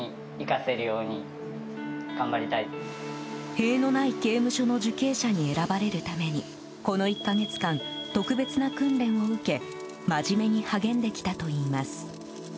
塀のない刑務所の受刑者に選ばれるためにこの１か月間、特別な訓練を受け真面目に励んできたといいます。